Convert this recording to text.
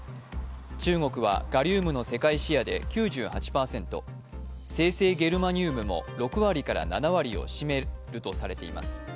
中国はガリウムの世界シェアで９８％、精製ゲルマニウムも６割から７割を占めるとされています。